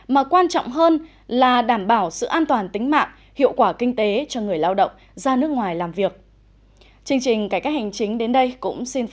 mà quan trọng hơn là đảm bảo sự an toàn tính mạng hiệu quả kinh tế cho người lao động ra nước ngoài làm việc